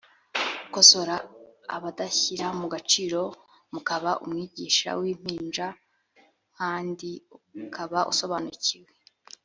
ukosora abadashyira mu gaciro m ukaba umwigisha w impinja n kandi ukaba usobanukiwe